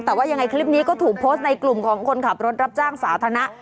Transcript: แต่ว่ายังไงคลิปนี้ก็ถูกโพสต์ในกลุ่มของคนขับรถรับจ้างสาธารณะ